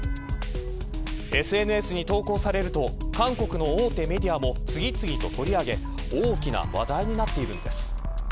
ＳＮＳに投稿されると韓国の大手メディアも次々と取り上げ大きな話題になっているんです。